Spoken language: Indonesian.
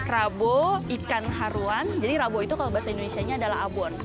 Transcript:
rabur ikan haruan jadi rabur itu kalau bahasa indonesia adalah abon